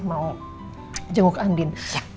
mau jenguk andin